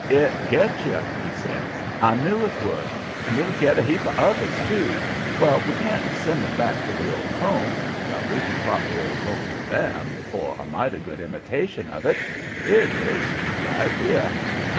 "It gets you!" he says. "I knew it would. And it'll get a heap of others, too. Well, we can't send 'em back to the old home, but we can trot the old home to them, or a mighty good imitation of it. Here it is; right here!"